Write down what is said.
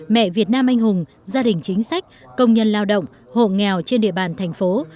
mẹ việt nam anh hùng gia đình chính sách công nhân lao động hộ nghèo trên địa bàn thành phố